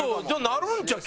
なるんちゃう？